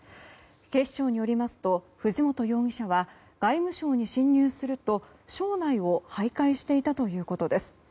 警視庁によりますと藤本容疑者は外務省に侵入すると省内を徘徊していたということです。